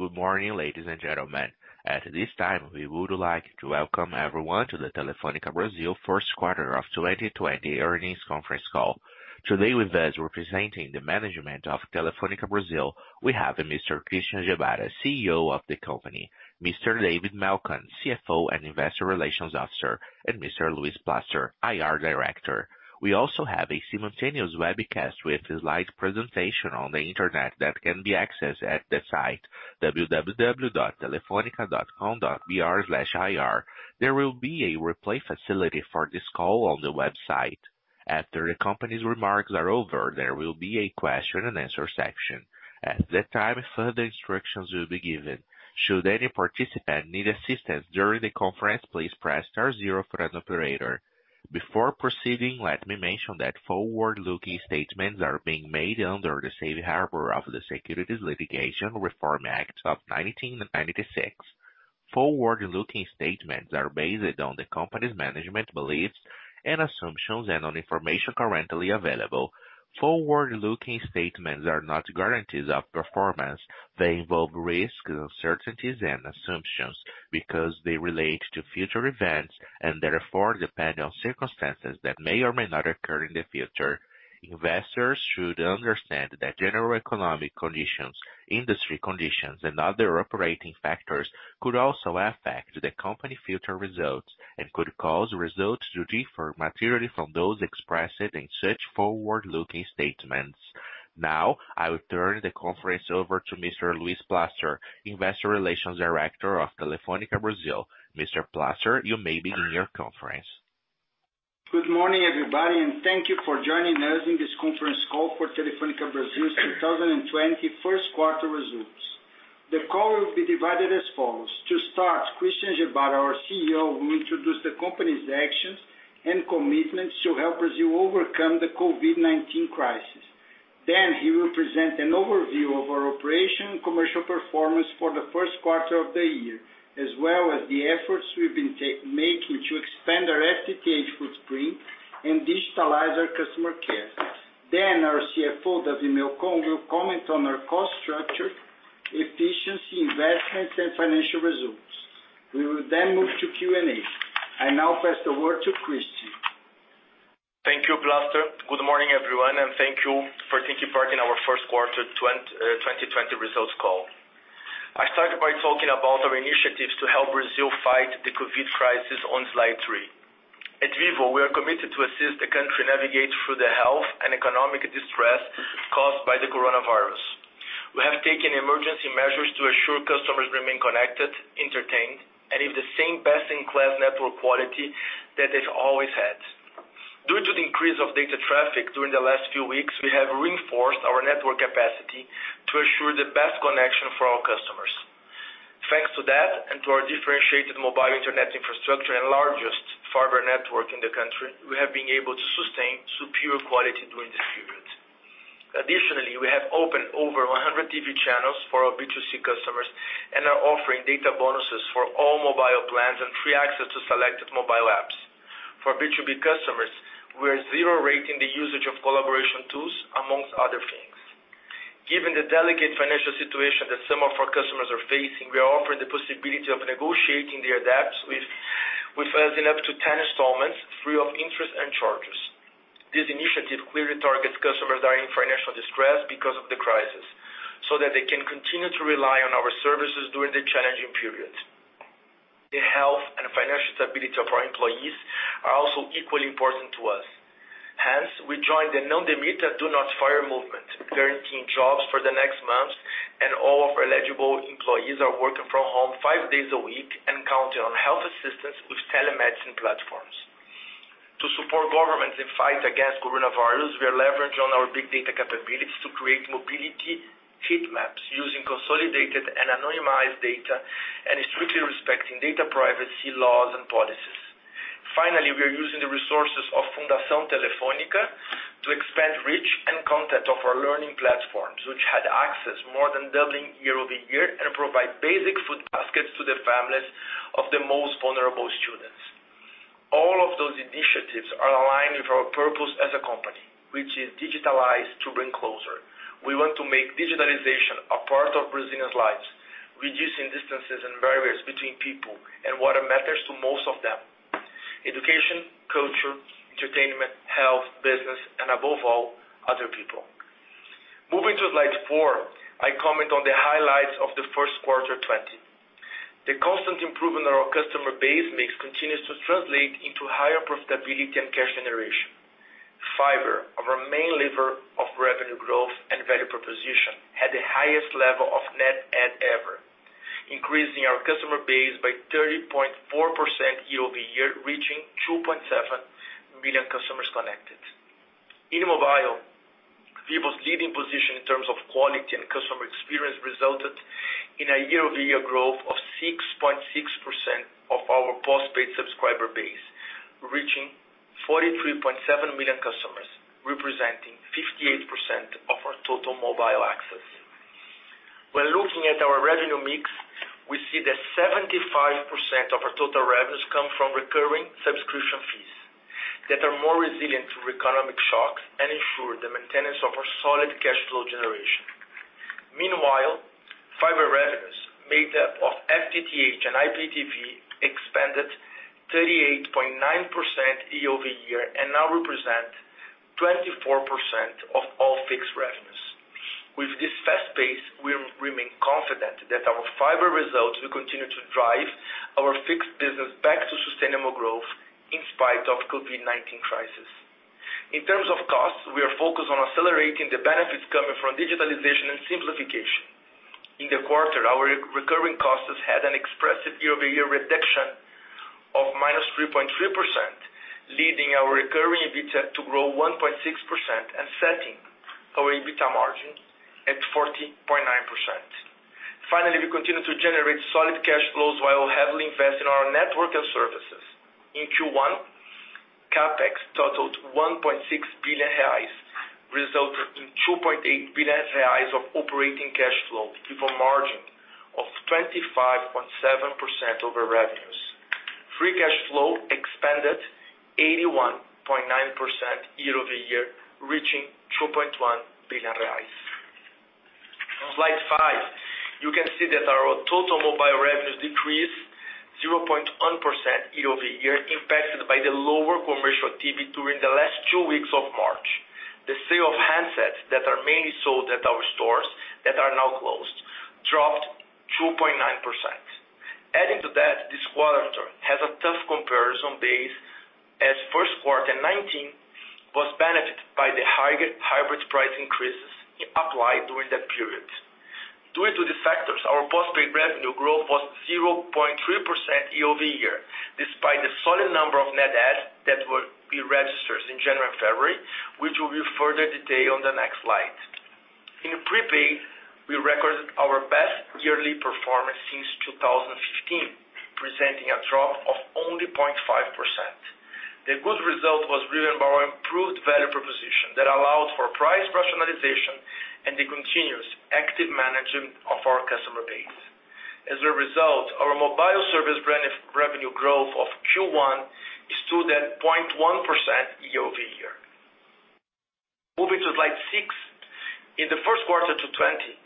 Good morning, ladies and gentlemen. At this time, we would like to welcome everyone to the Telefônica Brasil first quarter of 2020 earnings conference call. Today with us representing the management of Telefônica Brasil, we have Mr. Christian Gebara, CEO of the company, Mr. David Melcon, CFO and investor relations officer, and Mr. Luis Plaster, IR director. We also have a simultaneous webcast with a slide presentation on the internet that can be accessed at the site www.telefonica.com.br/ir. There will be a replay facility for this call on the website. After the company's remarks are over, there will be a question and answer section. At that time, further instructions will be given. Should any participant need assistance during the conference, please press star zero for an operator. Before proceeding, let me mention that forward-looking statements are being made under the safe harbor of the Private Securities Litigation Reform Act of 1995. Forward-looking statements are based on the company's management beliefs and assumptions and on information currently available. Forward-looking statements are not guarantees of performance. They involve risks, uncertainties, and assumptions because they relate to future events and therefore depend on circumstances that may or may not occur in the future. Investors should understand that general economic conditions, industry conditions, and other operating factors could also affect the company future results and could cause results to differ materially from those expressed in such forward-looking statements. Now, I will turn the conference over to Mr. Luis Plaster, Investor Relations Director of Telefônica Brasil. Mr. Plaster, you may begin your conference. Good morning, everybody, and thank you for joining us in this conference call for Telefônica Brasil's 2020 first quarter results. The call will be divided as follows. To start, Christian Gebara, our CEO, will introduce the company's actions and commitments to help Brazil overcome the COVID-19 crisis. He will present an overview of our operation commercial performance for the first quarter of the year, as well as the efforts we've been making to expand our FTTH footprint and digitalize our customer care. Our CFO, David Melcon, will comment on our cost structure, efficiency, investments, and financial results. We will move to Q&A. I now pass the word to Christian. Thank you, Plaster. Good morning, everyone, and thank you for taking part in our first quarter 2020 results call. I start by talking about our initiatives to help Brazil fight the COVID crisis on slide three. At Vivo, we are committed to assist the country navigate through the health and economic distress caused by the coronavirus. We have taken emergency measures to assure customers remain connected, entertained, and have the same best-in-class network quality that they've always had. Due to the increase of data traffic during the last few weeks, we have reinforced our network capacity to assure the best connection for our customers. Thanks to that and to our differentiated mobile internet infrastructure and largest fiber network in the country, we have been able to sustain superior quality during this period. Additionally, we have opened over 100 TV channels for our B2C customers and are offering data bonuses for all mobile plans and free access to selected mobile apps. For B2B customers, we are zero-rating the usage of collaboration tools, among other things. Given the delicate financial situation that some of our customers are facing, we are offering the possibility of negotiating their debts with us in up to 10 installments, free of interest and charges. This initiative clearly targets customers that are in financial distress because of the crisis, so that they can continue to rely on our services during the challenging period. The health and financial stability of our employees are also equally important to us. We joined the Não Demita, Do Not Fire movement, guaranteeing jobs for the next months, and all of our eligible employees are working from home five days a week and counting on health assistance with telemedicine platforms. To support governments in fight against coronavirus, we are leveraging on our big data capabilities to create mobility heat maps using consolidated and anonymized data and strictly respecting data privacy laws and policies. We are using the resources of Fundação Telefónica to expand reach and content of our learning platforms, which had access more than doubling year-over-year and provide basic food baskets to the families of the most vulnerable students. All of those initiatives are aligned with our purpose as a company, which is digitalize to bring closer. We want to make digitalization a part of Brazilians' lives, reducing distances and barriers between people and what matters to most of them, education, culture, entertainment, health, business, and above all, other people. Moving to slide four, I comment on the highlights of the first quarter 20. The constant improvement of our customer base mix continues to translate into higher profitability and cash generation. Fiber, our main lever of revenue growth and value proposition, had the highest level of net add ever, increasing our customer base by 30.4% year-over-year, reaching 2.7 million customers connected. In mobile, Vivo's leading position in terms of quality and customer experience resulted in a year-over-year growth of 6.6% of our postpaid subscriber base, reaching 43.7 million customers, representing 58% of our total mobile access. When looking at our revenue mix, we see that 75% of our total revenues come from recurring subscription fees that are more resilient to economic shocks and ensure the maintenance of our solid cash flow generation. Meanwhile, fiber revenues made up of FTTH and IPTV expanded 38.9% year-over-year and now represent 24% of all fixed revenues. With this fast pace, we remain confident that our fiber results will continue to drive our fixed business back to sustainable growth in spite of COVID-19 crisis. In terms of costs, we are focused on accelerating the benefits coming from digitalization and simplification. In the quarter, our recurring costs has had an expressive year-over-year reduction of -3.3%, leading our recurring EBITDA to grow 1.6% and setting our EBITDA margin at 14.9%. Finally, we continue to generate solid cash flows while heavily invest in our network and services. In Q1, CapEx totaled 1.6 billion reais, resulting in 2.8 billion reais of operating cash flow, giving margin of 25.7% over revenues. Free cash flow expanded 81.9% year-over-year, reaching BRL 2.1 billion. On slide five, you can see that our total mobile revenues decreased 0.1% year-over-year, impacted by the lower commercial TV during the last two weeks of March. The sale of handsets that are mainly sold at our stores that are now closed dropped 2.9%. Adding to that, this quarter has a tough comparison base as first quarter 2019 was benefited by the higher hybrid price increases applied during that period. Due to these factors, our postpaid revenue growth was 0.3% year-over-year, despite the solid number of net adds that we registered in January and February, which we will further detail on the next slide. In prepaid, we recorded our best yearly performance since 2015, presenting a drop of only 0.5%. The good result was driven by our improved value proposition that allowed for price rationalization and the continuous active management of our customer base. As a result, our mobile service revenue growth of Q1 stood at 0.1% year-over-year. Moving to slide six. In the first quarter to 2020,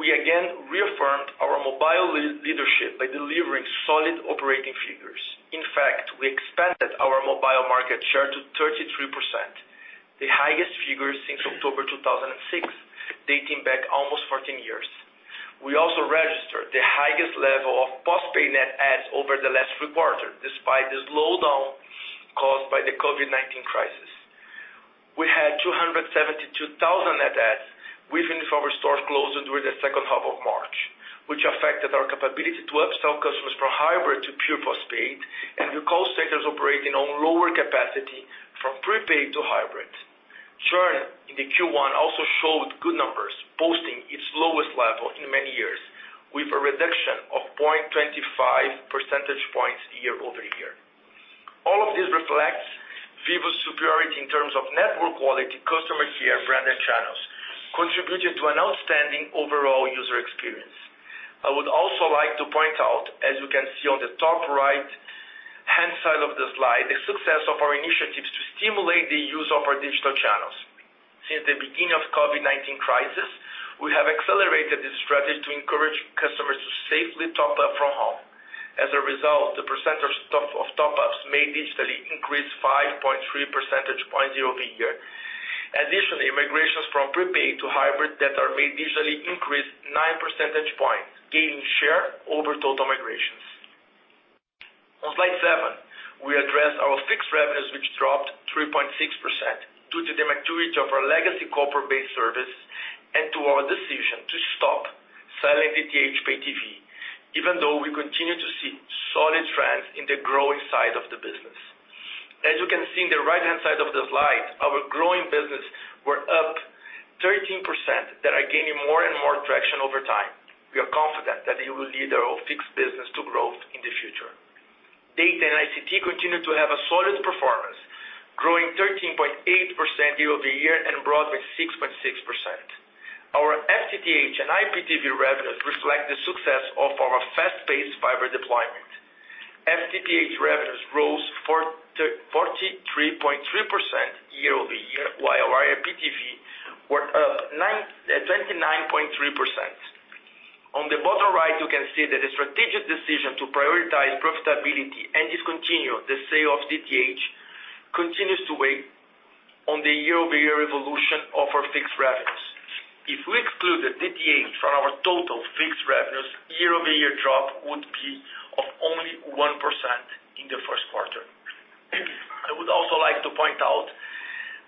we again reaffirmed our mobile leadership by delivering solid operating figures. In fact, we expanded our mobile market share to 33%, the highest figure since October 2006, dating back almost 14 years. We also registered the highest level of postpaid net adds over the last three quarters, despite the slowdown caused by the COVID-19 crisis. We had 272,000 net adds, even with our stores closed during the second half of March, which affected our capability to upsell customers from hybrid to pure postpaid and with call centers operating on lower capacity from prepaid to hybrid. Churn in the Q1 also showed good numbers, posting its lowest level in many years, with a reduction of 0.25 percentage points year-over-year. All of this reflects Vivo's superiority in terms of network quality, customer care, brand, and channels, contributing to an outstanding overall user experience. I would also like to point out, as you can see on the top right-hand side of the slide, the success of our initiatives to stimulate the use of our digital channels. Since the beginning of COVID-19 crisis, we have accelerated this strategy to encourage customers to safely top up from home. The percentage of top-ups made digitally increased 5.3 percentage points year-over-year. Migrations from prepaid to hybrid that are made digitally increased nine percentage points, gaining share over total migrations. On slide seven, we address our fixed revenues, which dropped 3.6% due to the maturity of our legacy corporate-based service and to our decision to stop selling DTH pay TV, even though we continue to see solid trends in the growing side of the business. As you can see in the right-hand side of the slide, our growing business were up 13% that are gaining more and more traction over time. We are confident that it will lead our fixed business to growth in the future. Data and ICT continue to have a solid performance, growing 13.8% year-over-year and broadband 6.6%. Our FTTH and IPTV revenues reflect the success of our fast-paced fiber deployment. FTTH revenues rose 43.3% year-over-year, while our IPTV were up 29.3%. On the bottom right, you can see that the strategic decision to prioritize profitability and discontinue the sale of DTH continues to weigh on the year-over-year evolution of our fixed revenues. If we excluded DTH from our total fixed revenues, year-over-year drop would be of only 1% in the first quarter. I would also like to point out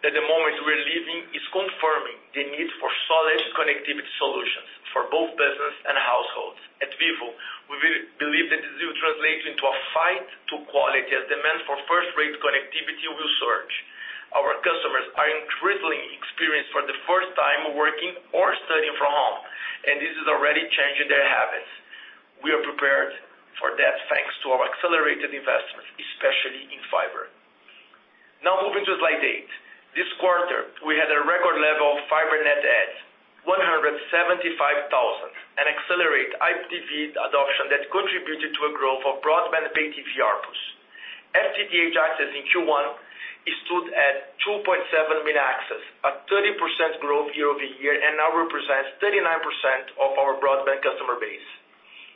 that the moment we're living is confirming the need for solid connectivity solutions for both business and households. At Vivo, we believe that this will translate into a fight to quality as demand for first-rate connectivity will surge. Our customers are increasingly experiencing for the first time working or studying from home, this is already changing their habits. We are prepared for that thanks to our accelerated investment, especially in fiber. Now moving to slide eight. This quarter, we had a record level of fiber net adds 175,000 and accelerate IPTV adoption that contributed to a growth of broadband pay TV ARPU. FTTH access in Q1 stood at 2.7 million accesses, a 30% growth year-over-year, and now represents 39% of our broadband customer base.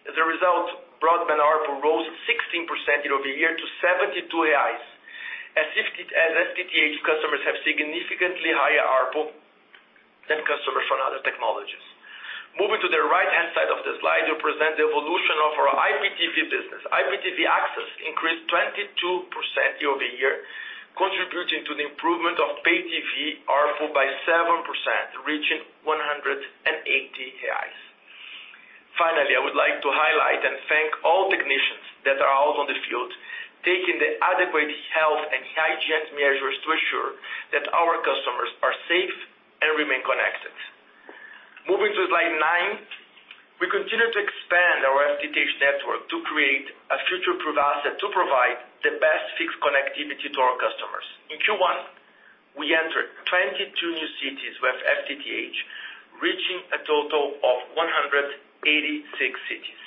As a result, broadband ARPU rose 16% year-over-year to 72 reais. As FTTH customers have significantly higher ARPU than customers from other technologies. Moving to the right-hand side of the slide, we present the evolution of our IPTV business. IPTV access increased 22% year-over-year, contributing to the improvement of pay TV ARPU by 7%, reaching 180 reais. Finally, I would like to highlight and thank all technicians that are out on the field, taking the adequate health and hygiene measures to ensure that our customers are safe and remain connected. Moving to slide nine. We continue to expand our FTTH network to create a future-proof asset to provide the best fixed connectivity to our customers. In Q1, we entered 22 new cities with FTTH, reaching a total of 186 cities.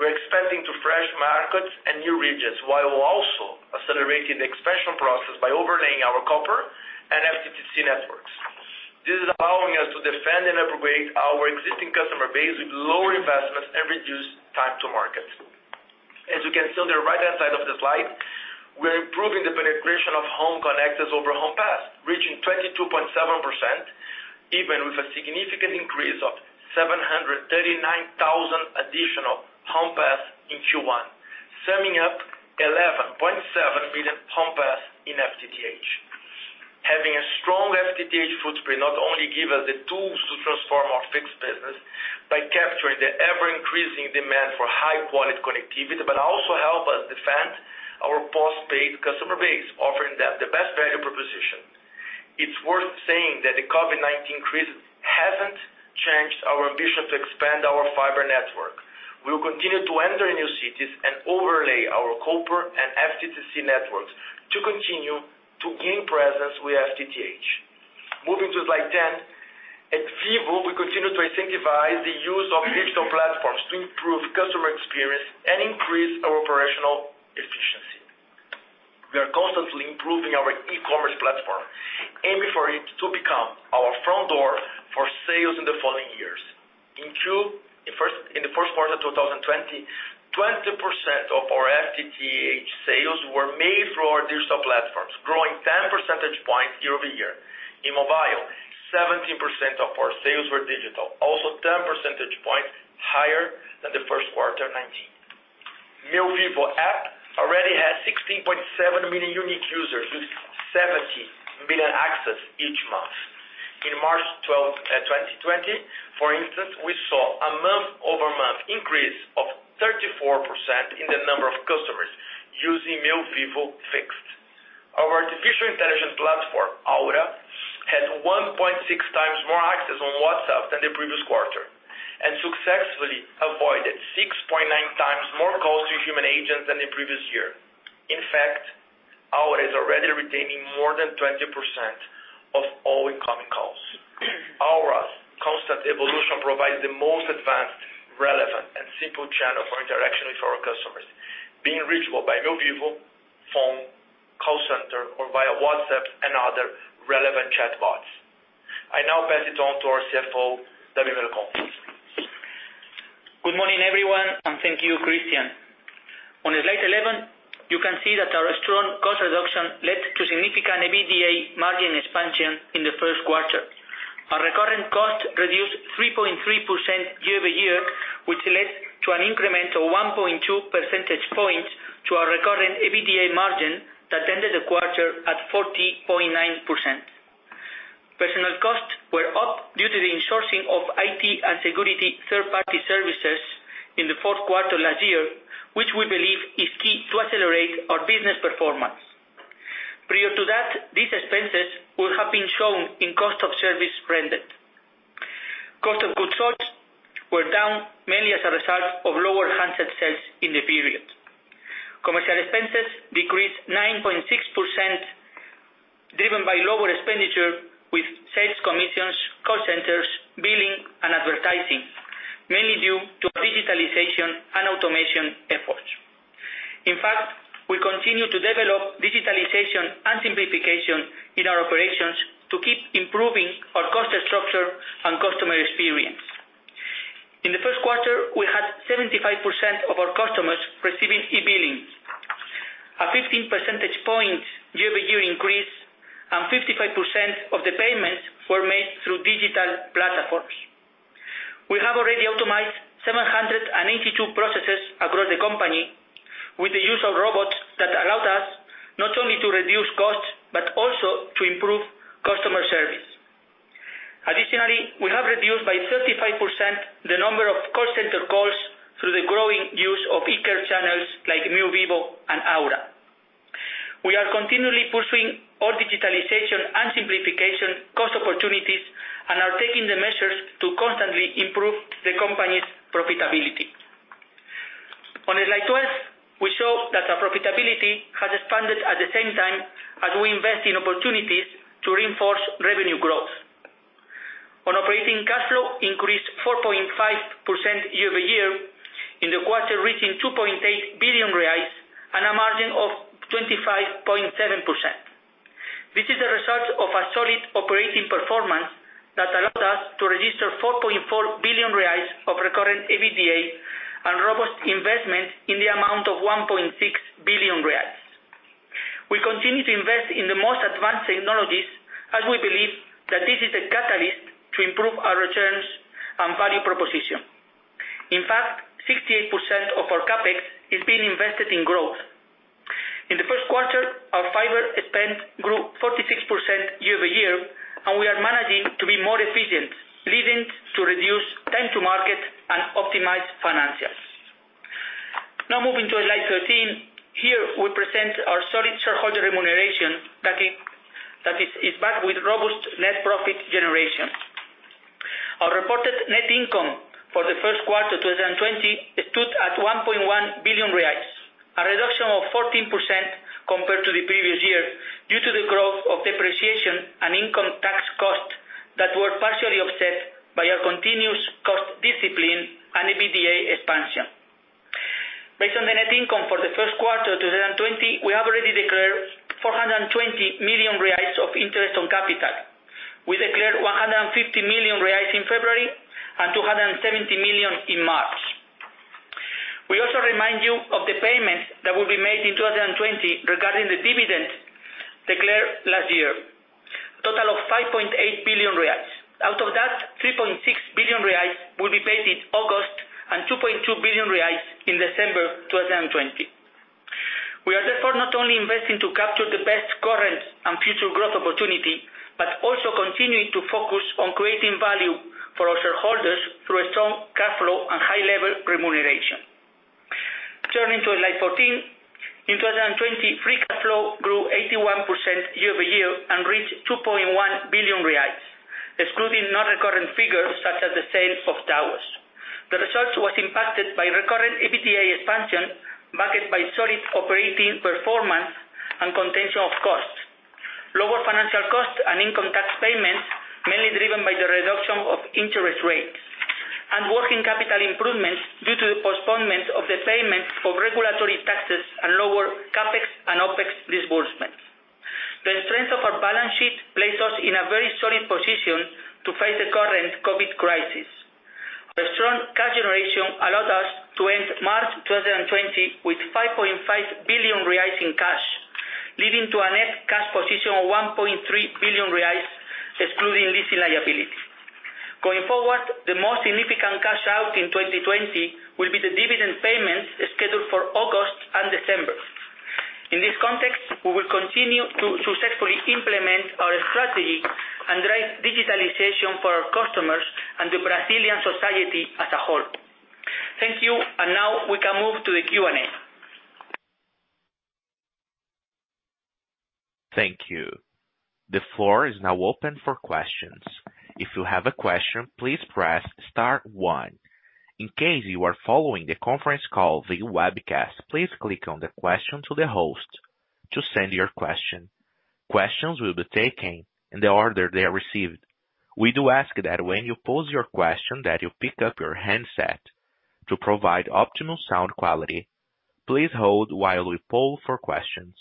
We're expanding to fresh markets and new regions, while also accelerating the expansion process by overlaying our copper and FTTC networks. This is allowing us to defend and upgrade our existing customer base with lower investments and reduce time to market. As you can see on the right-hand side of the slide, we're improving the penetration of home connectors over home pass, reaching 22.7%, even with a significant increase of 739,000 additional home pass in Q1, summing up 11.7 million home pass in FTTH. Having a strong FTTH footprint not only give us the tools to transform our fixed business by capturing the ever-increasing demand for high-quality connectivity, but also help us defend our postpaid customer base, offering them the best value proposition. It's worth saying that the COVID-19 crisis hasn't changed our ambition to expand our fiber network. We will continue to enter new cities and overlay our copper and FTTC networks to continue to gain presence with FTTH. Moving to slide 10. At Vivo, we continue to incentivize the use of digital platforms to improve customer experience and increase our operational efficiency. We are constantly improving our e-commerce platform, aiming for it to become our front door for sales in the following years. In the first quarter of 2020, 20% of our FTTH sales were made through our digital platforms, growing 10 percentage points year-over-year. In mobile, 17% of our sales were digital, also 10 percentage points higher than the first quarter 2019. Meu Vivo app already has 16.7 million unique users with 70 million accesses each month. In March 12th, 2020, for instance, we saw a month-over-month increase of 34% in the number of customers using Meu Vivo Fixed. Our artificial intelligence platform, Aura, had 1.6 times more access on WhatsApp than the previous quarter, and successfully avoided 6.9 times more calls to human agents than the previous year. In fact, Aura is already retaining more than 20% of all incoming calls. Aura's constant evolution provides the most advanced, relevant, and simple channel for interaction with our customers, being reachable by Meu Vivo, phone, call center, or via WhatsApp and other relevant chatbots. I now pass it on to our CFO, David Melcon. Good morning, everyone, and thank you, Christian. On slide 11, you can see that our strong cost reduction led to significant EBITDA margin expansion in the first quarter. Our recurrent costs reduced 3.3% year-over-year, which led to an incremental 1.2 percentage points to our recurrent EBITDA margin that ended the quarter at 40.9%. Personnel costs were up due to the insourcing of IT and security third-party services in the fourth quarter last year, which we believe is key to accelerate our business performance. Prior to that, these expenses would have been shown in cost of service rendered. Cost of goods sold were down mainly as a result of lower handset sales in the period. Commercial expenses decreased 9.6%, driven by lower expenditure with sales commissions, call centers, billing, and advertising, mainly due to digitalization and automation efforts. In fact, we continue to develop digitalization and simplification in our operations to keep improving our cost structure and customer experience. In the first quarter, we had 75% of our customers receiving e-billing, a 15 percentage point year-over-year increase, and 55% of the payments were made through digital platforms. We have already automized 782 processes across the company with the use of robots that allowed us not only to reduce costs, but also to improve customer service. Additionally, we have reduced by 35% the number of call center calls through the growing use of e-care channels like Meu Vivo and Aura. We are continually pursuing all digitalization and simplification cost opportunities and are taking the measures to constantly improve the company's profitability. On slide 12, we show that our profitability has expanded at the same time as we invest in opportunities to reinforce revenue growth. On operating cash flow increased 4.5% year-over-year in the quarter, reaching 2.8 billion reais and a margin of 25.7%. This is a result of a solid operating performance that allows us to register 4.4 billion reais of recurrent EBITDA and robust investment in the amount of 1.6 billion reais. We continue to invest in the most advanced technologies as we believe that this is a catalyst to improve our returns and value proposition. In fact, 68% of our CapEx is being invested in growth. In the first quarter, our fiber spend grew 46% year-over-year, and we are managing to be more efficient, leading to reduced time to market and optimized financials. Now moving to slide 13. Here we present our solid shareholder remuneration that is backed with robust net profit generation. Our reported net income for the first quarter 2020 stood at 1.1 billion reais, a reduction of 14% compared to the previous year due to the growth of depreciation and income tax costs that were partially offset by our continuous cost discipline and EBITDA expansion. Based on the net income for the first quarter 2020, we have already declared 420 million reais of interest on capital. We declared 150 million reais in February and 270 million in March. We also remind you of the payments that will be made in 2020 regarding the dividend declared last year, total of 5.8 billion reais. Out of that, 3.6 billion reais will be paid in August and 2.2 billion reais in December 2020. We are therefore not only investing to capture the best current and future growth opportunity, but also continuing to focus on creating value for our shareholders through a strong cash flow and high level remuneration. Turning to slide 14. In 2020, free cash flow grew 81% year-over-year and reached BRL 2.1 billion, excluding non-recurrent figures such as the sale of towers. The result was impacted by recurrent EBITDA expansion, backed by solid operating performance and contention of costs, lower financial costs and income tax payments, mainly driven by the reduction of interest rates and working capital improvements due to the postponement of the payment for regulatory taxes and lower CapEx and OpEx disbursements. The strength of our balance sheet places us in a very solid position to face the current COVID-19 crisis. Our strong cash generation allowed us to end March 2020 with 5.5 billion reais in cash, leading to a net cash position of 1.3 billion reais excluding leasing liability. Going forward, the most significant cash out in 2020 will be the dividend payments scheduled for August and December. In this context, we will continue to successfully implement our strategy and drive digitalization for our customers and the Brazilian society as a whole. Thank you, and now we can move to the Q&A. Thank you. The floor is now open for questions. If you have a question, please press star 1. In case you are following the conference call via webcast, please click on the question to the host to send your question. Questions will be taken in the order they are received. We do ask that when you pose your question, that you pick up your handset to provide optimal sound quality. Please hold while we poll for questions.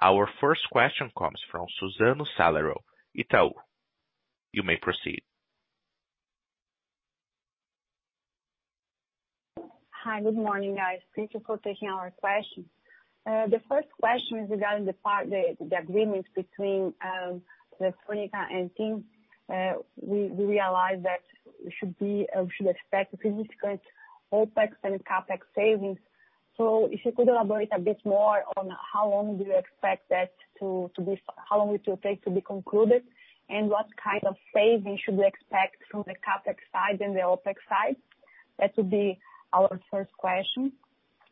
Our first question comes from Susana Salaru, Itaú. You may proceed. Hi. Good morning, guys. Thank you for taking our questions. The first question is regarding the agreement between Telefónica and TIM. We realized that we should expect significant OpEx and CapEx savings. If you could elaborate a bit more on how long it will take to be concluded, and what kind of savings should we expect from the CapEx side and the OpEx side? That would be our first question.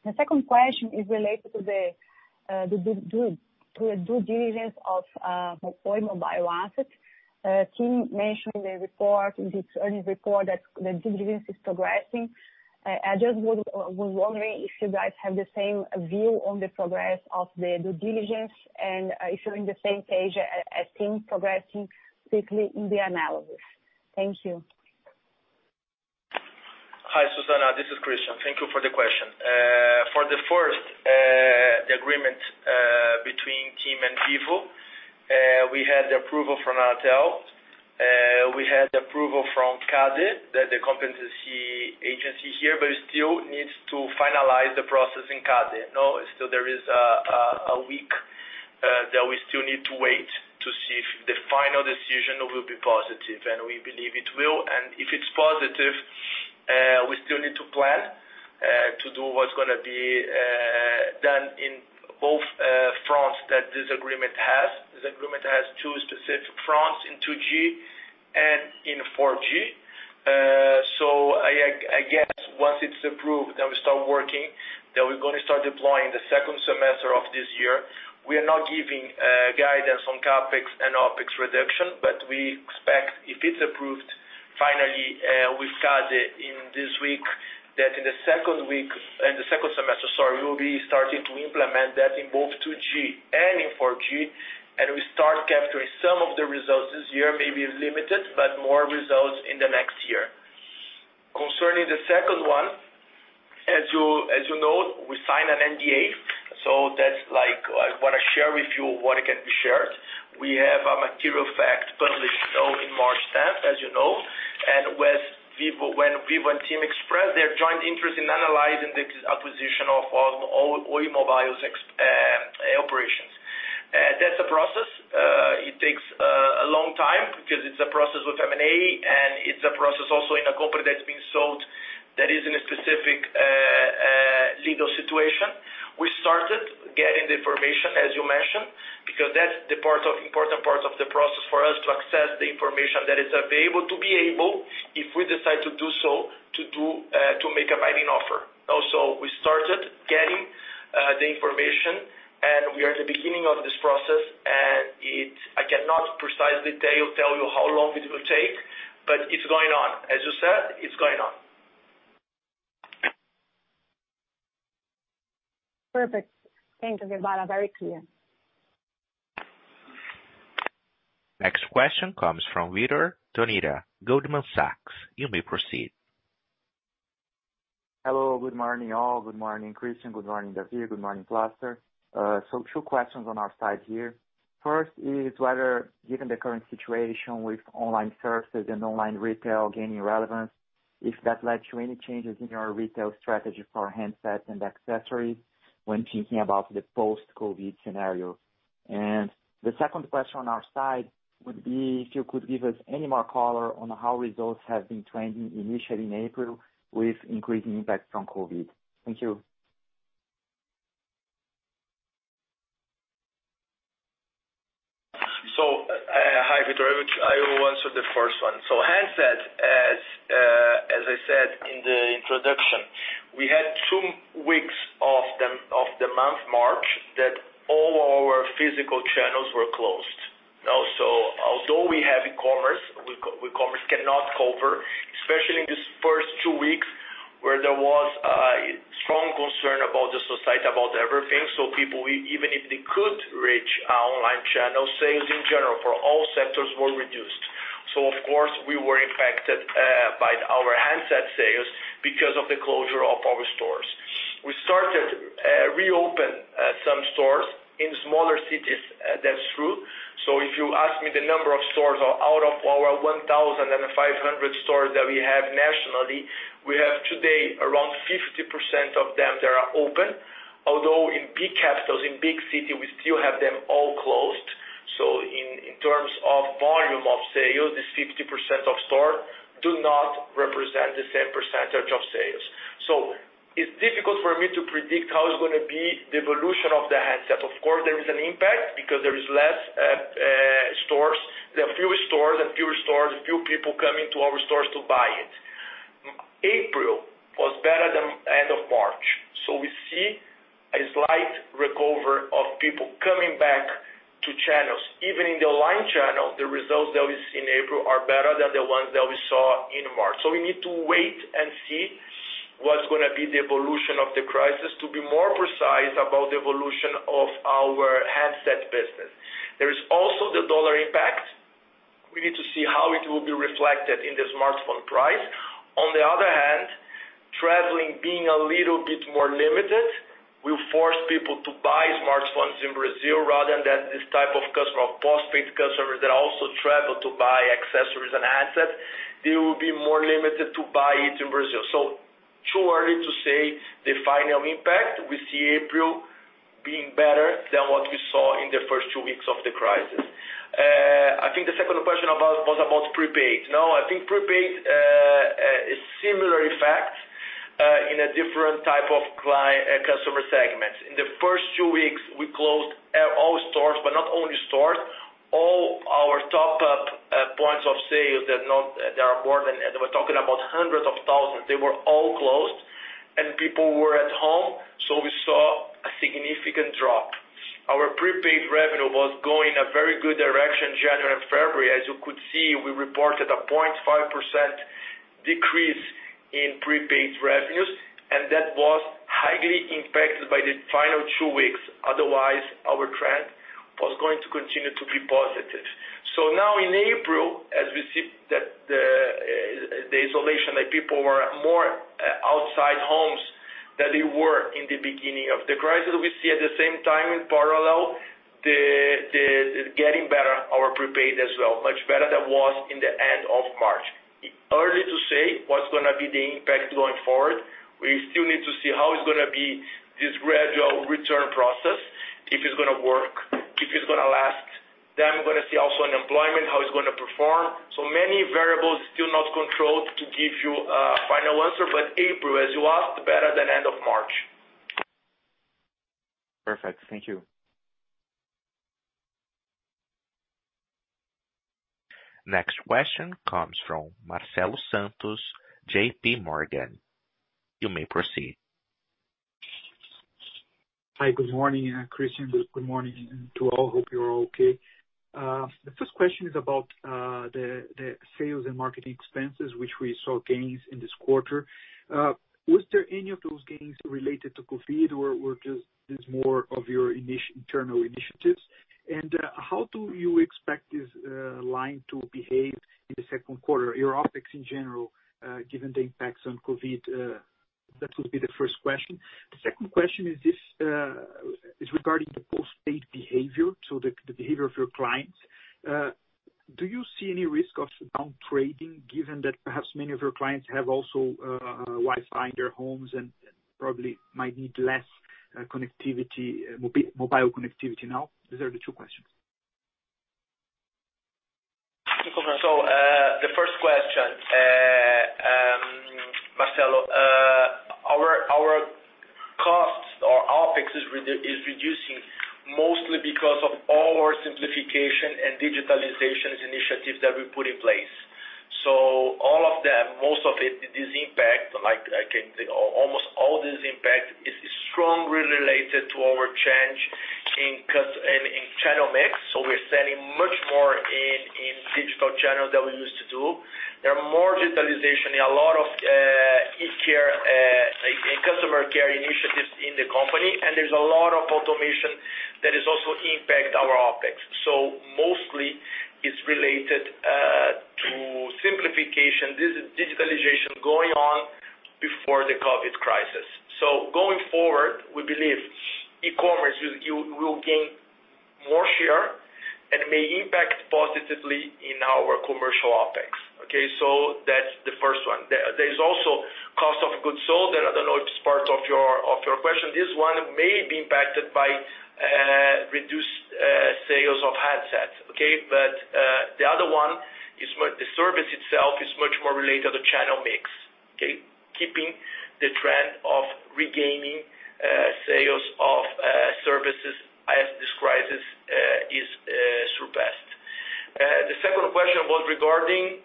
The second question is related to the due diligence of Oi Móvel assets. TIM mentioned in its earnings report that the due diligence is progressing. I just was wondering if you guys have the same view on the progress of the due diligence and if you're on the same page as TIM progressing quickly in the analysis. Thank you. Hi, Susana. This is Christian. Thank you for the question. For the first, the agreement between TIM and Vivo. We had the approval from Anatel. We had the approval from CADE, the competition agency here, but it still needs to finalize the process in CADE. There is a week that we still need to wait to see if the final decision will be positive, and we believe it will. If it's positive, we still need to plan to do what's going to be done in both fronts that this agreement has. This agreement has two specific fronts in 2G and in 4G. I guess once it's approved, then we start working, then we're going to start deploying the second semester of this year. We are not giving guidance on CapEx and OpEx reduction, but we expect if it's approved. Finally, we've got in this week that in the second semester, we will be starting to implement that in both 2G and in 4G, and we start capturing some of the results this year, maybe limited, but more results in the next year. Concerning the second one, as you know, we signed an NDA, that's like I want to share with you what can be shared. We have a material fact published now in March 10th, as you know. When Vivo and TIM express their joint interest in analyzing the acquisition of Oi Móvel operations. That's a process. It takes a long time because it's a process with M&A, it's a process also in a company that's being sold that is in a specific legal situation. We started getting the information, as you mentioned, because that's the important part of the process for us to access the information that is available, to be able, if we decide to do so, to make a binding offer. Also, we started getting the information, and we are at the beginning of this process. I cannot precisely tell you how long it will take, but it's going on. As you said, it's going on. Perfect. Thank you, Gebara. Very clear. Next question comes from Vitor Tomita, Goldman Sachs. You may proceed. Hello. Good morning, all. Good morning, Christian. Good morning, David. Good morning, Plaster. Two questions on our side here. First is whether, given the current situation with online services and online retail gaining relevance, if that led to any changes in your retail strategy for handsets and accessories when thinking about the post-COVID-19 scenario. The second question on our side would be if you could give us any more color on how results have been trending initially in April with increasing impact from COVID-19. Thank you. Hi, Vitor. I will answer the first one. Handsets, as I said in the introduction, we had two weeks of the month March that all our physical channels were closed. Also, although we have e-commerce, e-commerce cannot cover, especially in this first two weeks, where there was a strong concern about the society, about everything. People, even if they could reach our online channel, sales in general for all sectors were reduced. Of course, we were impacted by our handset sales because of the closure of our stores. We started reopen some stores in smaller cities. That's true. If you ask me the number of stores out of our 1,500 stores that we have nationally, we have today around 50% of them that are open. Although in big capitals, in big city, we still have them all closed. In terms of volume of sales, this 50% of stores do not represent the same percentage of sales. It's difficult for me to predict how it's going to be the evolution of the handset. Of course, there is an impact because there is less stores. There are fewer stores, fewer people coming to our stores to buy it. April was better than end of March. We see a slight recover of people coming back to channels. Even in the online channel, the results that we see in April are better than the ones that we saw in March. We need to wait and see what's going to be the evolution of the crisis, to be more precise about the evolution of our handset business. There is also the dollar impact. We need to see how it will be reflected in the smartphone price. On the other hand, traveling being a little bit more limited will force people to buy smartphones in Brazil rather than this type of customer, postpaid customer, that also travel to buy accessories and handsets. They will be more limited to buy it in Brazil. Too early to say the final impact. We see April being better than what we saw in the first two weeks of the crisis. I think the second question was about prepaid. I think prepaid, a similar effect in a different type of customer segments. In the first two weeks, we closed all stores, but not only stores, all our top-up points of sale. We're talking about hundreds of thousands. They were all closed, and people were at home. We saw a significant drop. Our prepaid revenue was going a very good direction January and February. As you could see, we reported a 0.5% decrease in prepaid revenues. That was highly impacted by the final two weeks. Otherwise, our trend was going to continue to be positive. Now in April, as we see the isolation, that people were more outside homes than they were in the beginning of the crisis, we see at the same time in parallel, getting better our prepaid as well, much better than was in the end of March. It's early to say what's going to be the impact going forward. We still need to see how it's going to be this gradual return process, if it's going to work, if it's going to last. We're going to see also unemployment, how it's going to perform. Many variables still not controlled to give you a final answer. April, as you asked, was better than end of March. Perfect. Thank you. Next question comes from Marcelo Santos, JPMorgan. You may proceed. Hi, good morning. Christian. Good morning to all. Hope you're all okay. The first question is about the sales and marketing expenses, which we saw gains in this quarter. Was there any of those gains related to COVID or just is more of your internal initiatives? How do you expect this line to behave in the second quarter, your OpEx in general, given the impacts on COVID? That would be the first question. The second question is regarding the postpaid behavior, so the behavior of your clients. Do you see any risk of downtrading, given that perhaps many of your clients have also Wi-Fi in their homes and probably might need less mobile connectivity now? These are the two questions. The first question, Marcelo, our costs or OpEx is reducing mostly because of all our simplification and digitalizations initiatives that we put in place. All of them, most of it, this impact, almost all this impact is strongly related to our change in channel mix. We're selling much more in digital channel than we used to do. There are more digitalization in a lot of e-care and customer care initiatives in the company, and there's a lot of automation that has also impacted our OpEx. Mostly it's related to simplification. This is digitalization going on before the COVID-19 crisis. Going forward, we believe e-commerce will gain more share and may impact positively in our commercial OpEx. Okay, that's the first one. There is also cost of goods sold, and I don't know if it's part of your question. This one may be impacted by reduced sales of headsets, okay? The other one, the service itself is much more related to channel mix, okay? Keeping the trend of regaining sales of services as this crisis is surpassed. The second question was regarding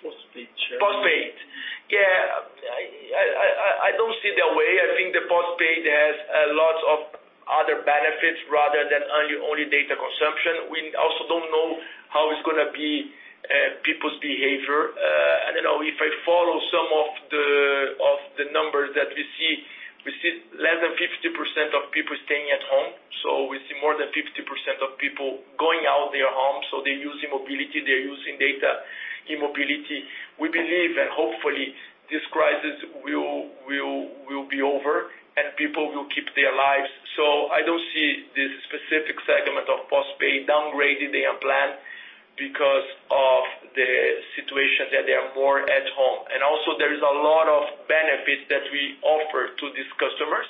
Postpaid. Postpaid. Yeah, I don't see the way. I think the postpaid has lots of other benefits rather than only data consumption. We also don't know how it's going to be people's behavior. I don't know if I follow some of the numbers that we see, we see less than 50% of people staying at home. We see more than 50% of people going out their home. They're using mobility, they're using data in mobility. We believe that hopefully this crisis will be over and people will keep their lives. I don't see this specific segment of postpaid downgrading their plan because of the situation that they are more at home. Also there is a lot of benefits that we offer to these customers.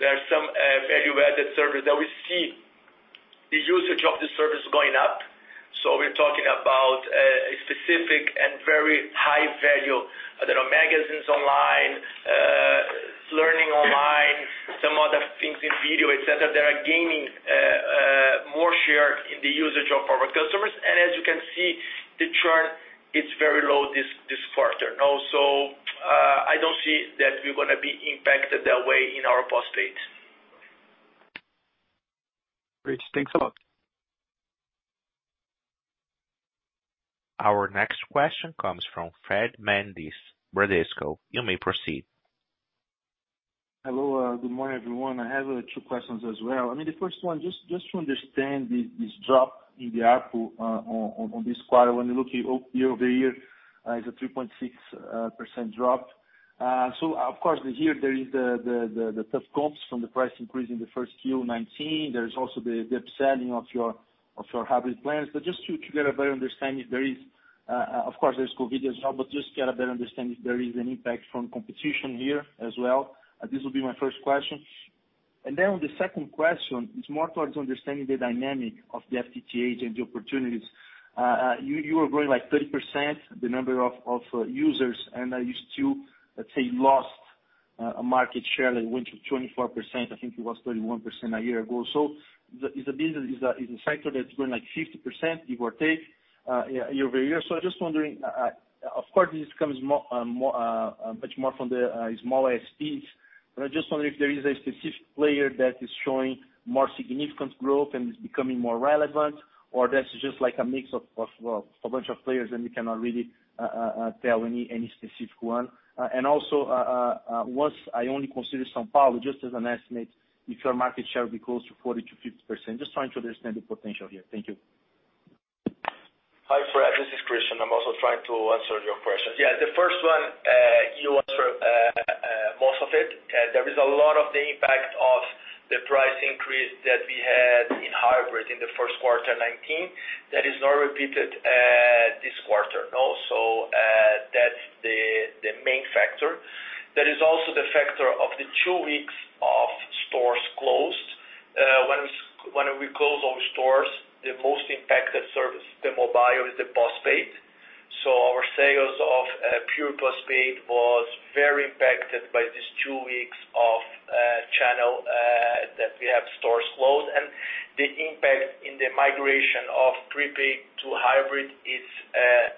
There are some value-added service that we see the usage of the service going up. We're talking about a specific and very high value. I don't know, magazines online, learning online, some other things in video, et cetera, that are gaining more share in the usage of our customers. As you can see, the churn is very low this quarter. I don't see that we're going to be impacted that way in our postpaid. Great. Thanks a lot. Our next question comes from Fred Mendes, Bradesco. You may proceed. Hello, good morning, everyone. I have two questions as well. The first one, just to understand this drop in the ARPU on this quarter. When you look year-over-year, it's a 3.6% drop. Of course here there is the tough comps from the price increase in the first Q19. There is also the upselling of your hybrid plans. But just to get a better understanding if there is, of course, there's COVID-19 as well, but just to get a better understanding if there is an impact from competition here as well. This will be my first question. The second question is more towards understanding the dynamic of the FTTH and the opportunities. You were growing like 30% the number of users, and you still, let's say, lost a market share that went to 24%. I think it was 31% a year ago. It's a sector that's grown like 50%, give or take, year over year. I'm just wondering, of course, this comes much more from the smaller SPs, but I'm just wondering if there is a specific player that is showing more significant growth and is becoming more relevant, or that's just like a mix of a bunch of players and you cannot really tell any specific one. Also, once I only consider São Paulo, just as an estimate, if your market share will be close to 40%-50%. Just trying to understand the potential here. Thank you. Hi, Fred. This is Christian. I'm also trying to answer your questions. The first one, you answered most of it. There is a lot of the impact of the price increase that we had in hybrid in the first quarter 2019. That is not repeated this quarter. That's the main factor. There is also the factor of the two weeks of stores closed. When we close our stores, the most impacted service, the mobile is the postpaid. Our sales of pure postpaid was very impacted by these two weeks of channel that we have stores closed. The impact in the migration of prepaid to hybrid is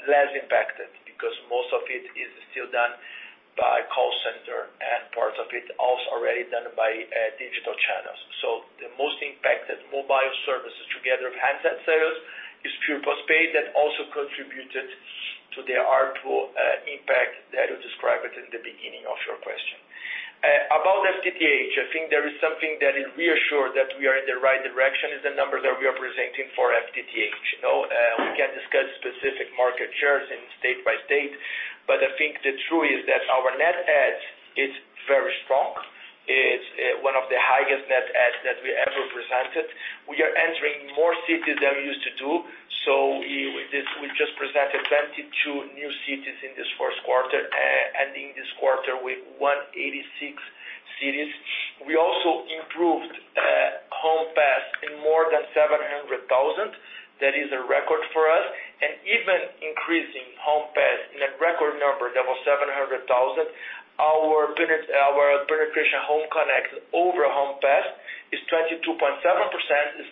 less impacted because most of it is still done by call center and parts of it also already done by digital channels. The most impacted mobile services together with handset sales is pure postpaid that also contributed to the ARPU impact that you described at the beginning of your question. About FTTH, I think there is something that is reassured that we are in the right direction, is the numbers that we are presenting for FTTH. We can discuss specific market shares in state by state, but I think the truth is that our net add is very strong. It's one of the highest net adds that we ever presented. We are entering more cities than we used to do. We just presented 22 new cities in this first quarter, ending this quarter with 186 cities. We also improved home pass in more than 700,000. That is a record for us. Even increasing home pass in a record number that was 700,000. Our penetration home connect over home pass is 22.7%,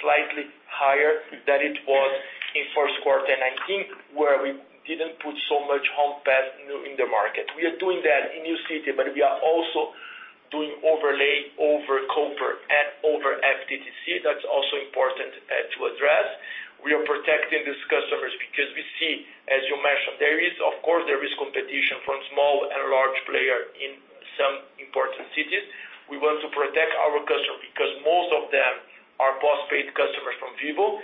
slightly higher than it was in first quarter 2019, where we didn't put so much home pass new in the market. We are doing that in new city. We are also doing overlay over copper and over FTTC. That's also important to address. We are protecting these customers because we see, as you mentioned, of course, there is competition from small and large player in some important cities. We want to protect our customer because most of them are postpaid customers from Vivo.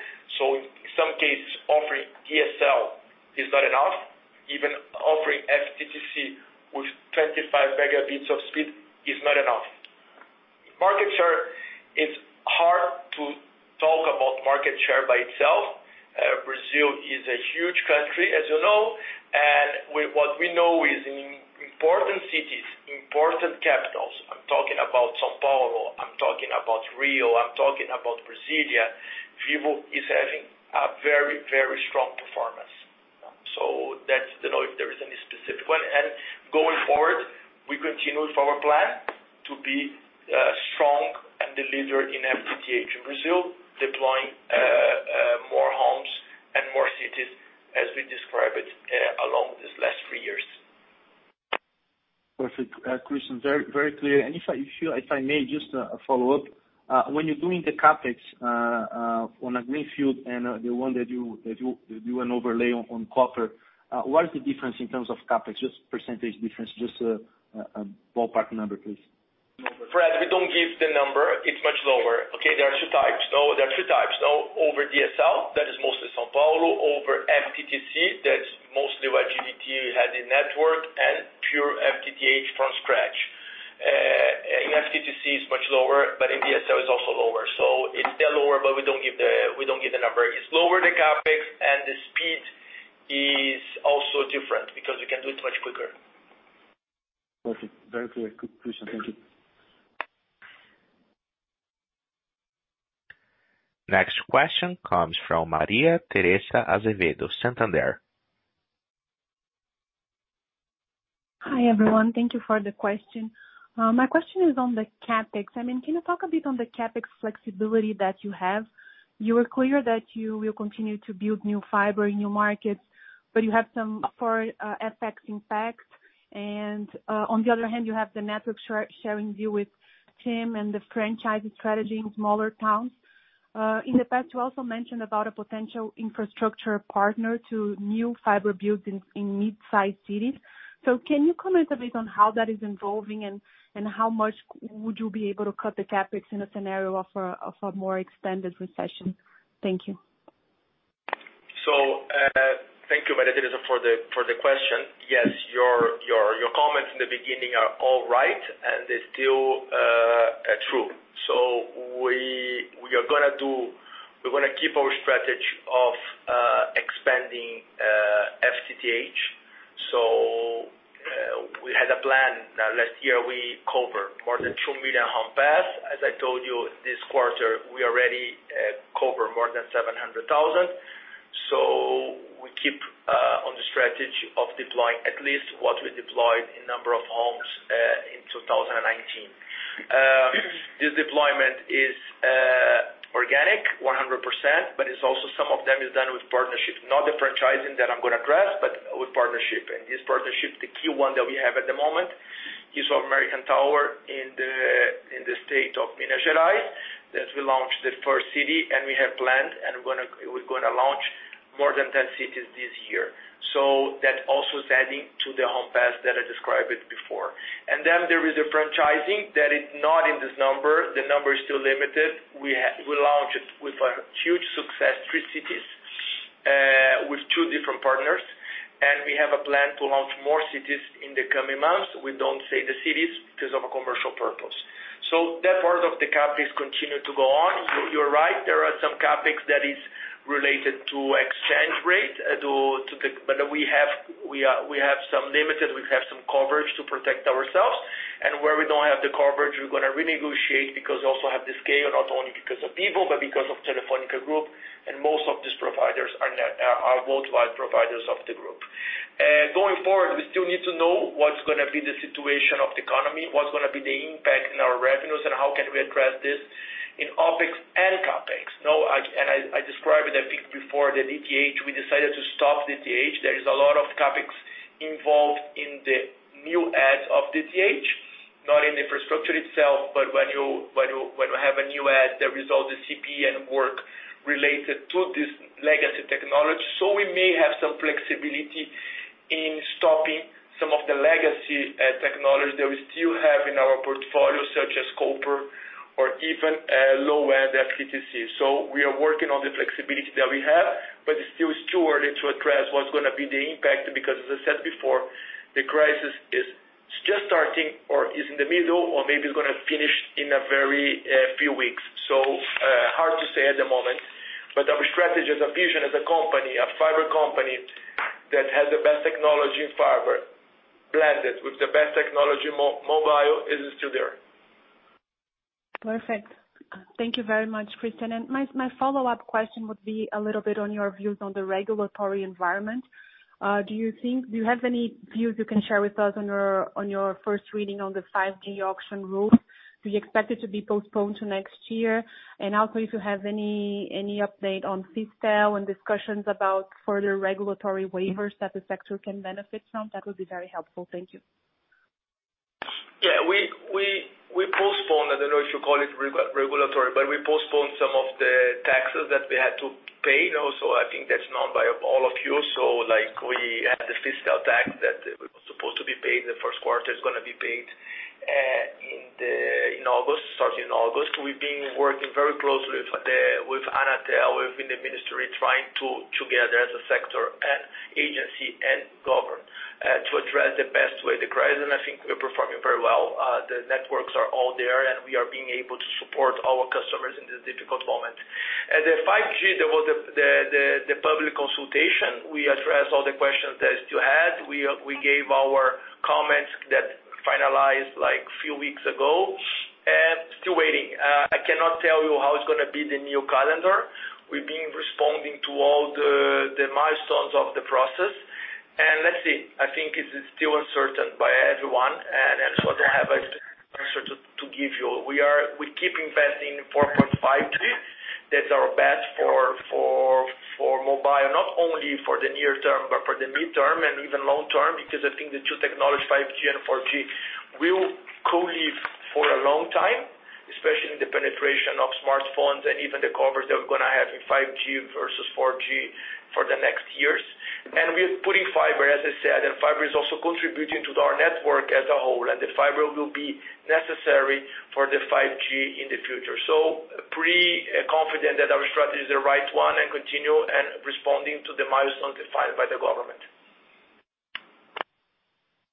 In some cases, offering DSL is not enough. Even offering FTTC with 25 megabits of speed is not enough. Market share, it's hard to talk about market share by itself. Brazil is a huge country, as you know, and what we know is in important cities, important capitals, I’m talking about São Paulo, I’m talking about Rio, I’m talking about Brasília, Vivo is having a very, very strong performance. That’s, if there is any specific one. Going forward, we continue with our plan to be strong and the leader in FTTH in Brazil, deploying more homes and more cities as we described it along these last three years. Perfect. Christian, very clear. If I may, just a follow-up. When you're doing the CapEx, on a greenfield and the one that you do an overlay on copper, what is the difference in terms of CapEx? Just percentage difference, just a ballpark number, please. Fred, we don't give the number. It's much lower. Okay, there are two types. There are two types. Now, over DSL, that is mostly São Paulo, over FTTC, that's mostly what GVT had in network, and pure FTTH from scratch. In FTTC, it's much lower, but in DSL, it's also lower. It's still lower, but we don't give the number. It's lower the CapEx, and the speed is also different because we can do it much quicker. Okay. Very clear. Good. Christian, thank you. Next question comes from Maria Tereza Azevedo, Santander. Hi, everyone. Thank you for the question. My question is on the CapEx. Can you talk a bit on the CapEx flexibility that you have? You are clear that you will continue to build new fiber in new markets, but you have some FX impact. On the other hand, you have the network sharing deal with TIM and the franchising strategy in smaller towns. In the past, you also mentioned about a potential infrastructure partner to new fiber builds in mid-size cities. Can you comment a bit on how that is evolving and how much would you be able to cut the CapEx in a scenario of a more extended recession? Thank you. Thank you, Maria Tereza, for the question. Yes, your comments in the beginning are all right, and they're still true. We're going to keep our strategy of expanding FTTH. We had a plan. Last year, we covered more than 2 million home pass. As I told you, this quarter, we already covered more than 700,000. We keep on the strategy of deploying at least what we deployed in number of homes, in 2019. This deployment is organic 100%, but it's also some of them is done with partnership, not the franchising that I'm going to address, but with partnership. This partnership, the key one that we have at the moment is American Tower in the state of Minas Gerais, that we launched the first city, and we have planned, and we're going to launch more than 10 cities this year. That also is adding to the home pass that I described before. Then there is the franchising that is not in this number. The number is still limited. We launched it with a huge success, three cities, with two different partners, and we have a plan to launch more cities in the coming months. We don't say the cities because of a commercial purpose. That part of the CapEx continue to go on. You're right, there are some CapEx that is related to exchange rate, but we have some limited. We have some coverage to protect ourselves. And where we don't have the coverage, we're going to renegotiate because we also have the scale, not only because of Vivo, but because of Telefónica Group, and most of these providers are worldwide providers of the group. Going forward, we still need to know what's going to be the situation of the economy, what's going to be the impact in our revenues, and how can we address this in OpEx and CapEx. I described it, I think before, the DTH. We decided to stop DTH. There is a lot of CapEx involved in the new adds of DTH. Not in the infrastructure itself, but when you have a new ad that results in CP and work related to this legacy technology. We may have some flexibility in stopping some of the legacy technology that we still have in our portfolio, such as copper or even low-end FTTC. We are working on the flexibility that we have, but it's still too early to address what's going to be the impact, because as I said before, the crisis is just starting or is in the middle or maybe is going to finish in a very few weeks. Hard to say at the moment. Our strategy as a vision, as a company, a fiber company that has the best technology in fiber blended with the best technology mobile is still there. Perfect. Thank you very much, Christian. My follow-up question would be a little bit on your views on the regulatory environment. Do you have any views you can share with us on your first reading on the 5G auction rules? Do you expect it to be postponed to next year? Also if you have any update on C-band and discussions about further regulatory waivers that the sector can benefit from, that would be very helpful. Thank you. Yeah, we postponed, I don't know if you call it regulatory, but we postponed some of the taxes that we had to pay. Also, I think that's known by all of you. We had the fiscal tax that was supposed to be paid the first quarter, it's going to be paid in August, starting August. We've been working very closely with Anatel, within the ministry, trying to together as a sector and agency and government, to address the best way the crisis, and I think we're performing very well. The networks are all there, and we are being able to support our customers in this difficult moment. The 5G, there was the public consultation. We addressed all the questions that you had. We gave our comments that finalized few weeks ago and still waiting. I cannot tell you how it's going to be the new calendar. We've been responding to all the milestones of the process. Let's see, I think it's still uncertain by everyone. I don't have an answer to give you. We keep investing in 4.5G today. That's our bet for mobile, not only for the near term, but for the midterm and even long term, because I think the two technology, 5G and 4G, will co-live for a long time, especially in the penetration of smartphones and even the coverage that we're going to have in 5G versus 4G for the next years. We are putting fiber, as I said. Fiber is also contributing to our network as a whole. The fiber will be necessary for the 5G in the future. Pretty confident that our strategy is the right one and continue responding to the milestone defined by the government.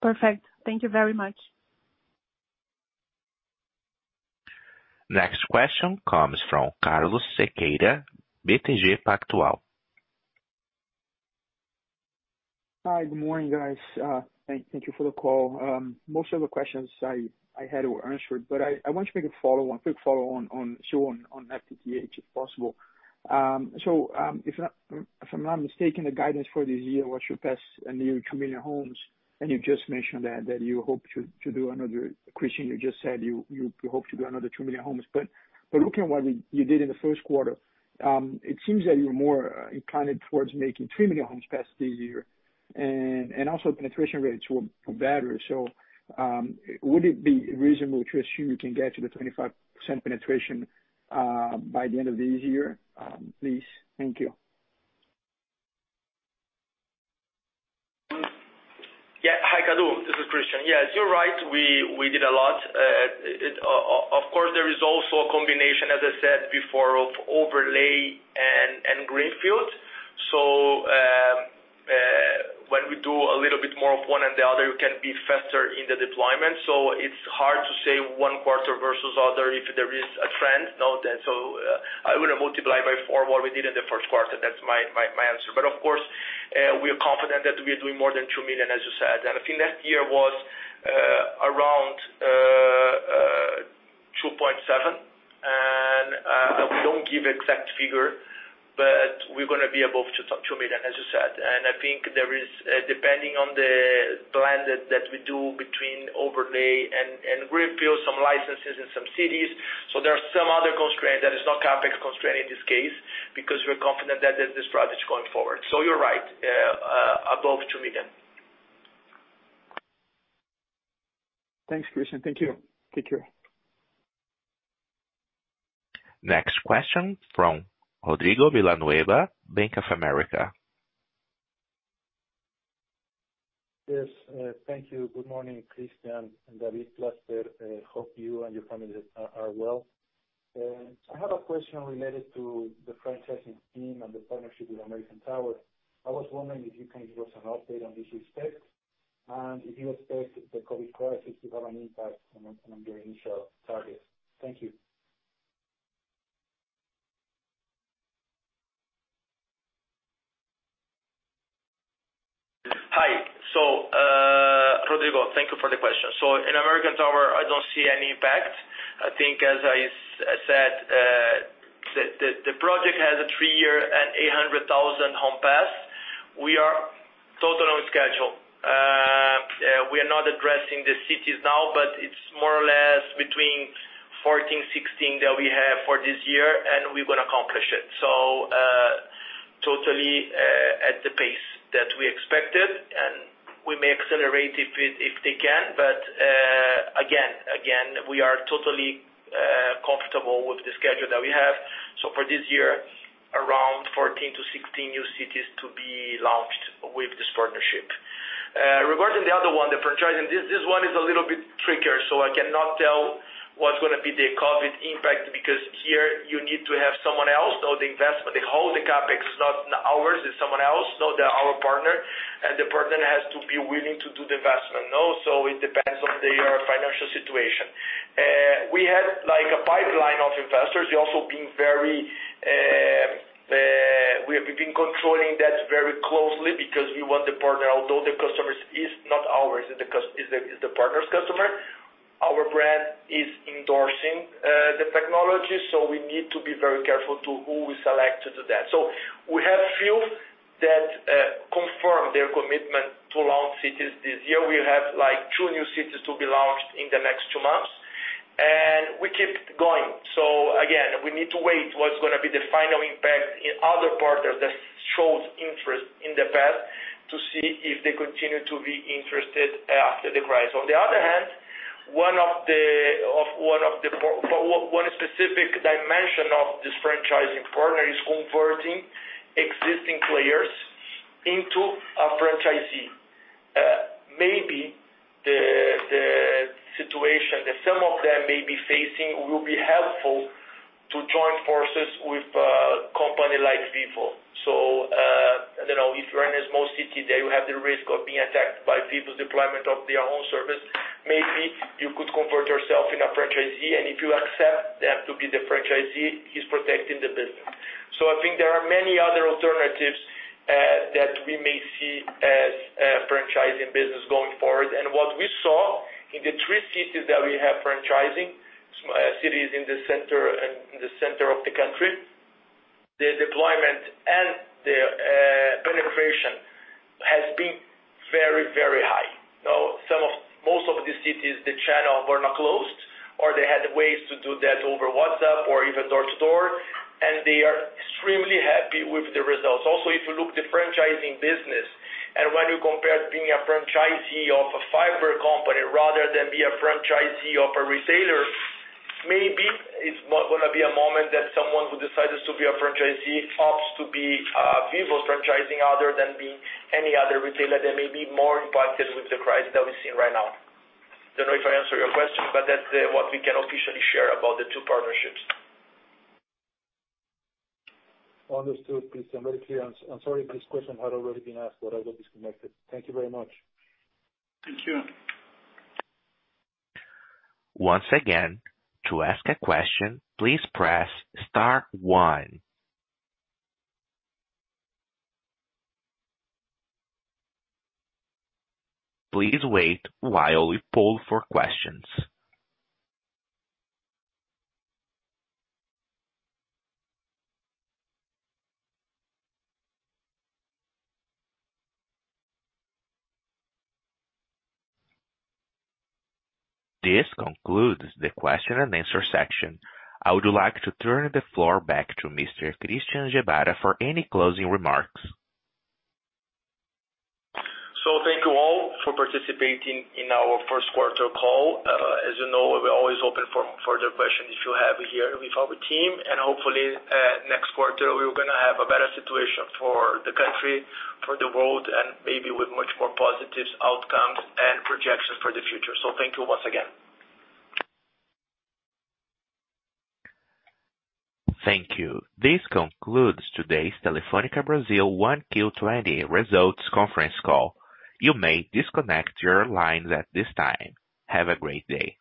Perfect. Thank you very much. Next question comes from Carlos Sequeira, BTG Pactual. Hi, good morning, guys. Thank you for the call. Most of the questions I had were answered, I want to make a quick follow on FTTH, if possible. If I'm not mistaken, the guidance for this year was you pass a new 2 million homes, you just mentioned that, Christian, you just said you hope to do another 2 million homes. Looking at what you did in the first quarter, it seems that you're more inclined towards making 3 million homes passed this year. Also penetration rates were better. Would it be reasonable to assume you can get to the 25% penetration by the end of this year? Please. Thank you. Hi, Carlos. This is Christian. Yes, you're right. We did a lot. Of course, there is also a combination, as I said before, of overlay and greenfield. When we do a little bit more of one and the other, we can be faster in the deployment. It's hard to say one quarter versus other if there is a trend. I would multiply by four what we did in the first quarter. That's my answer. Of course, we are confident that we are doing more than 2 million, as you said. I think last year was around 2.7, and we don't give exact figure, but we're going to be above 2 million, as you said. I think there is, depending on the plan that we do between overlay and greenfield, some licenses in some cities. There are some other constraints. There is no CapEx constraint in this case because we're confident that the strategy is going forward. You're right, above 2 million. Thanks, Christian. Thank you. Take care. Next question from Rodrigo Villanueva, Bank of America. Yes. Thank you. Good morning, Christian and David Plaster. Hope you and your families are well. I have a question related to the franchising team and the partnership with American Tower. I was wondering if you can give us an update on this respect, and if you expect the COVID crisis to have an impact on your initial targets. Thank you. Hi. Rodrigo, thank you for the question. In American Tower, I don't see any impact. I think as I said, the project has a three-year and 800,000 home pass. We are totally on schedule. We are not addressing the cities now, but it's more 16 that we have for this year, and we're going to accomplish it. Totally at the pace that we expected, and we may accelerate if they can. Again, we are totally comfortable with the schedule that we have. For this year, around 14 to 16 new cities to be launched with this partnership. Regarding the other one, the franchising, this one is a little bit trickier, so I cannot tell what's going to be the COVID impact, because here you need to have someone else know the investment. The CapEx is not ours, it's someone else, they're our partner, and the partner has to be willing to do the investment. It depends on their financial situation. We had a pipeline of investors. We have been controlling that very closely because we want the partner, although the customers is not ours, it's the partner's customer. Our brand is endorsing the technology, we need to be very careful to who we select to do that. We have a few that confirmed their commitment to launch cities this year. We have two new cities to be launched in the next two months, and we keep going. Again, we need to wait what's going to be the final impact in other partners that showed interest in the past to see if they continue to be interested after the crisis. On the other hand, one specific dimension of this franchising partner is converting existing players into a franchisee. Maybe the situation that some of them may be facing will be helpful to join forces with a company like Vivo. I don't know, if you're in a small city, then you have the risk of being attacked by Vivo's deployment of their own service. Maybe you could convert yourself in a franchisee, and if you accept that to be the franchisee, he's protecting the business. I think there are many other alternatives that we may see as a franchising business going forward. What we saw in the three cities that we have franchising, cities in the center of the country, the deployment and the penetration has been very, very high. Most of the cities, the channel were not closed, or they had ways to do that over WhatsApp or even door to door, and they are extremely happy with the results. If you look the franchising business, and when you compare it to being a franchisee of a fiber company rather than be a franchisee of a retailer, maybe it's going to be a moment that someone who decides to be a franchisee opts to be a Vivo franchising other than be any other retailer that may be more impacted with the crisis that we're seeing right now. I don't know if I answered your question, but that's what we can officially share about the two partnerships. Understood. Please, I'm very clear. I'm sorry if this question had already been asked, but I got disconnected. Thank you very much. Thank you. Once again, to ask a question, please press star one. Please wait while we poll for questions. This concludes the question and answer section. I would like to turn the floor back to Mr. Christian Gebara for any closing remarks. Thank you all for participating in our first quarter call. As you know, we're always open for further questions if you have here with our team. Hopefully, next quarter, we're going to have a better situation for the country, for the world, and maybe with much more positive outcomes and projections for the future. Thank you once again. Thank you. This concludes today's Telefônica Brasil 1Q20 results conference call. You may disconnect your lines at this time. Have a great day.